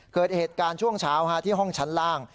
เกิดเหตุการณ์ช่วงเช้าที่ห้องชั้นล่าง